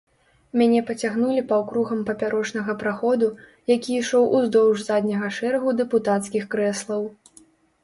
Мяне пацягнулі паўкругам папярочнага праходу, які ішоў уздоўж задняга шэрагу дэпутацкіх крэслаў.